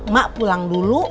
mak pulang dulu